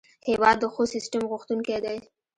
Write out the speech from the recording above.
هېواد د ښو سیسټم غوښتونکی دی.